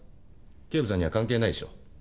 警部さんには関係ないでしょ。